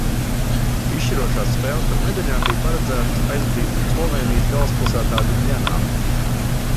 Izšķirošās spēles par medaļām bija paredzēts aizvadīt Slovēnijas galvaspilsētā Ļubļanā.